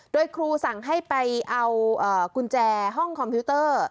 โดยครูสั่งให้ไปเอากุญแจห้องคอมพิวเตอร์